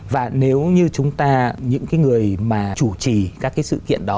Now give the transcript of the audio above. và nếu như chúng ta những cái người mà chủ trì các cái sự kiện đó